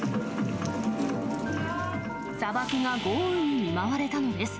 砂漠が豪雨に見舞われたのです。